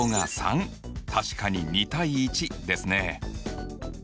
確かに２：１ですね。